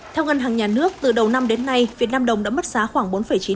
theo ngân hàng nhà nước từ đầu năm đến nay việt nam đồng đã mất giá khoảng bốn chín